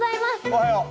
おはよう！